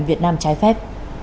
việt nam trái phép